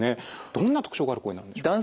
どんな特徴がある声なんでしょうか？